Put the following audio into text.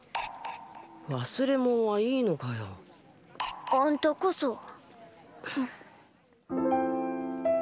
忘れもんはいいのかよ。あんたこそ。